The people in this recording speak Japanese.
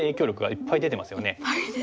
いっぱい出てますね。